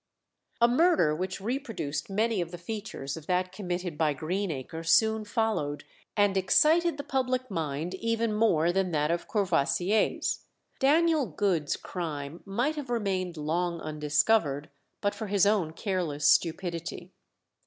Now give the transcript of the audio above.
A murder which reproduced many of the features of that committed by Greenacre soon followed, and excited the public mind even more than that of Courvoisier's. Daniel Good's crime might have remained long undiscovered but for his own careless stupidity.